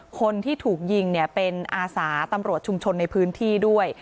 คนที่ถูกยิงเนี่ยเป็นอาสาตำรวจชุมชนในพื้นที่ด้วย